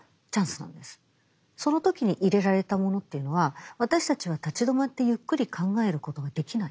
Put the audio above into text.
その時に入れられたものというのは私たちは立ち止まってゆっくり考えることができない。